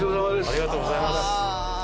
ありがとうごさいます。